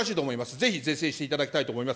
ぜひ是正していただきたいと思います。